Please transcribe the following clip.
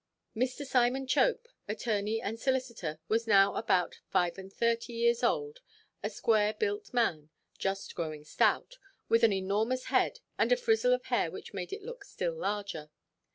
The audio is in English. Mr. Simon Chope, attorney and solicitor, was now about five–and–thirty years old, a square–built man, just growing stout, with an enormous head, and a frizzle of hair which made it look still larger.